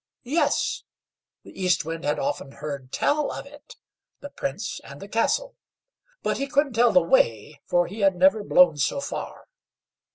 Yes, the East Wind had often heard tell of it, the Prince and the castle, but he couldn't tell the way, for he had never blown so far.